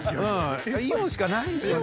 イオンしかないんですよね。